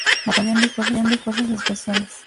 Batallón de Fuerzas Especiales.